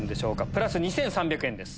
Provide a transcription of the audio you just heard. プラス２３００円です。